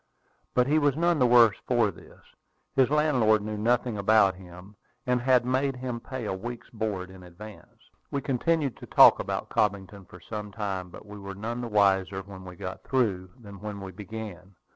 But he was none the worse for this. His landlord knew nothing about him, and had made him pay a week's board in advance. We continued to talk about Cobbington for some time; but we were none the wiser when we got through than when we began.